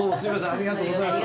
ありがとうございます。